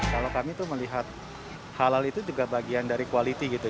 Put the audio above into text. kalau kami tuh melihat halal itu juga bagian dari quality gitu